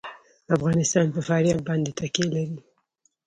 افغانستان په فاریاب باندې تکیه لري.